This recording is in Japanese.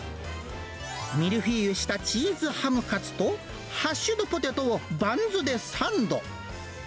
ミルフィーユしたチーズハムカツと、ハッシュドポテトをバンズでサンド。